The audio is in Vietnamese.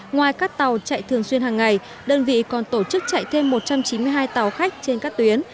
ngoài các tàu chạy thường xuyên hàng ngày đơn vị còn tổ chức chạy thêm một trăm chín mươi hai tàu khách trên các tuyến